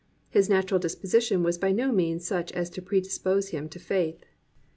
His natural disposition was by no means such as to predispose him to faith.